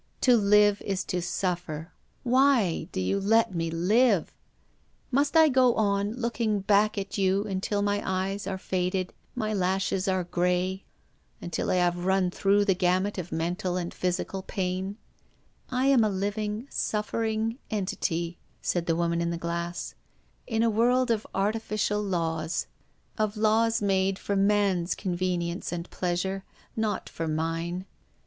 " To live is to suflfer ; why do you let me live ? Must I go on looking back at you until my eyes are faded, my lashes are grey, until I have run through the gamut of mental and physical 31« THE STORY OF A MODERN WOMAN. pain ? I am a living, Buffering entity," said the woman in the glass, " in a world of arti ficial laws; of laws made for man's con venience and pleasure, not for mine.